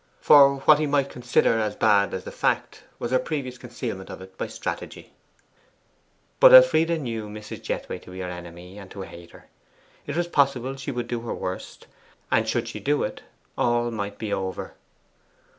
For what he might consider as bad as the fact, was her previous concealment of it by strategy. But Elfride knew Mrs. Jethway to be her enemy, and to hate her. It was possible she would do her worst. And should she do it, all might be over.